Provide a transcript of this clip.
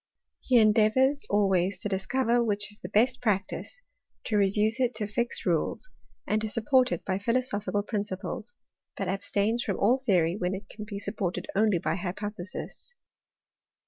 He endeavours always to discover which is the best practice, to reduce it to fixed rules, and to support it by philosophical principles ; but abstains from all theory when it can be supported only by hypothesis.